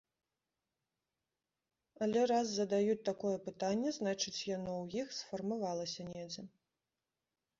Але раз задаюць такое пытанне, значыць, яно ў іх сфармавалася недзе.